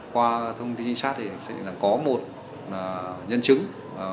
qua thông tin trinh sát thì xác định rằng có một nhân chứng ở ngân sơn